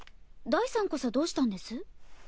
ダイさんこそどうしたんです？